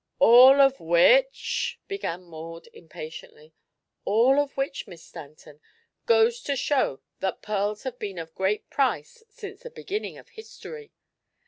"All of which " began Maud, impatiently. "All of which, Miss Stanton, goes to show that pearls have been of great price since the beginning of history.